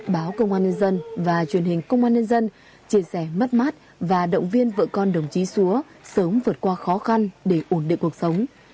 báo công an nhân dân và truyền hình công an nhân dân chia sẻ mất mát và động viên vợ con đồng chí xúa sớm vượt qua khó khăn để ổn định cuộc sống